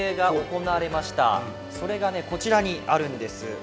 それがねこちらにあるんです。